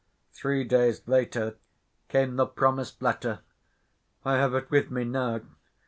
Three days later came the promised letter. I have it with me now.